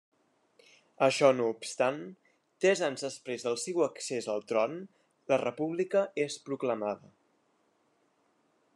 Això no obstant, tres anys després del seu accés al tron, la república és proclamada.